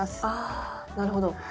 あなるほど。